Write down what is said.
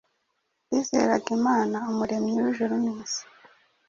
Yizeraga Imana Umuremyi w’ijuru n’isi.